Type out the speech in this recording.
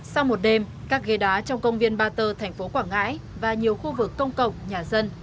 sau một đêm các ghế đá trong công viên ba tơ thành phố quảng ngãi và nhiều khu vực công cộng nhà dân